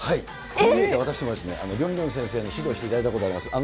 こう見えて、私もりょんりょん先生に指導していただいたことあります。